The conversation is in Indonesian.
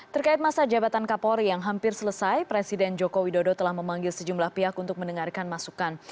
terkait masa jabatan kapolri yang hampir selesai presiden joko widodo telah memanggil sejumlah pihak untuk mendengarkan masukan